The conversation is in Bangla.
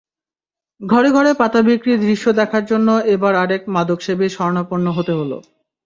ঘরে ঘরে পাতা বিক্রির দৃশ্য দেখার জন্য এবার আরেক মাদকসেবীর শরণাপন্ন হতে হলো।